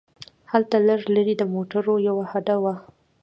هلته لږ لرې د موټرو یوه هډه وه.